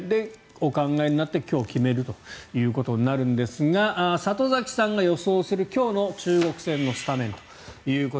お考えになって今日、決めるということになるんですが里崎さんが予想する今日のスタメン。